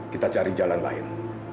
kita cari jalan lain